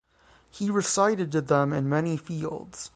He recited to them in many fields.